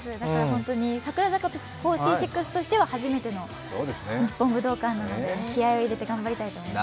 櫻坂４６としては初めての日本武道館なので気合いを入れて頑張りたいと思います。